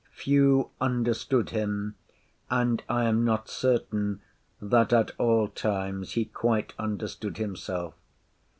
Few understood him; and I am not certain that at all times he quite understood himself.